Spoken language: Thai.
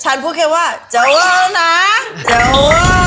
ฉันพูดแค่ว่าเจ้าเอานะเจ้าเอานะ